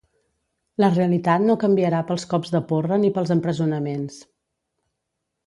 La realitat no canviarà pels cops de porra ni pels empresonaments.